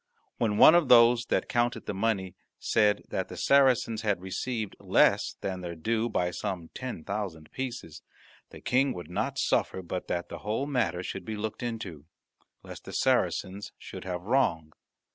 When one of those that counted the money said that the Saracens had received less than their due by some ten thousand pieces, the King would not suffer but that the whole matter should be looked into, lest the Saracens should have wrong.